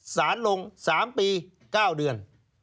สารลง๓ปี๙เดือน